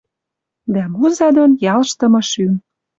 Дӓ Муза дон ялштымы шӱм.